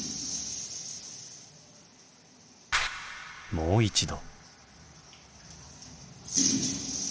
もう一度。